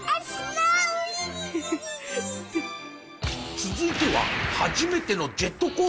続いては初めてのジェットコースターに挑戦。